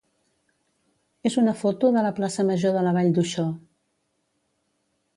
és una foto de la plaça major de la Vall d'Uixó.